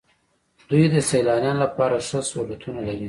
دوی د سیلانیانو لپاره ښه سهولتونه لري.